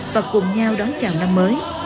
và cùng nhau đón chào năm mới